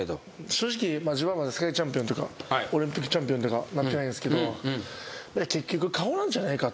正直自分はまだ世界チャンピオンとかオリンピックチャンピオンとかなってないんですけど。